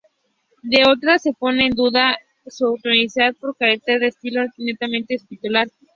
De otras, se pone en duda su autenticidad por carecer de estilo netamente epistolar.